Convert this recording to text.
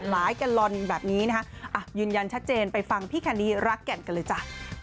แกลลอนแบบนี้นะคะยืนยันชัดเจนไปฟังพี่แคนดี้รักแก่นกันเลยจ้ะ